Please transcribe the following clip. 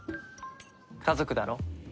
家族だろ？